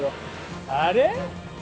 あれ？